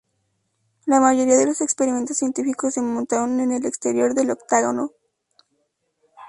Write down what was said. La mayoría de los experimentos científicos se montaron en el exterior del octágono.